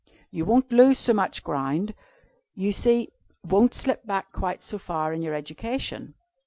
You won't lose so much ground, you see won't slip back quite so far in your education.